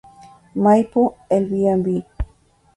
Maipú, el Bv.